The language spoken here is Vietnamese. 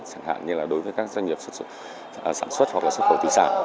chẳng hạn như là đối với các doanh nghiệp sản xuất hoặc là xuất khẩu thủy sản